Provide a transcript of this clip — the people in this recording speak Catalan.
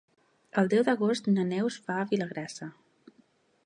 El deu d'agost na Neus va a Vilagrassa.